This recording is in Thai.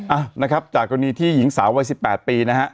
อ่ะนะครับจากกรณีที่หญิงสาววัย๑๘ปีนะฮะ